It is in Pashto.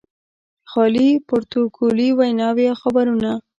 خالي پروتوکولي ویناوې او خبرونه.